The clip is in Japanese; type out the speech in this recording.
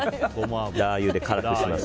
ラー油で辛くします。